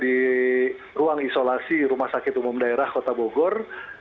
di ruang isolasi rumah sakit umum daerah kota bogor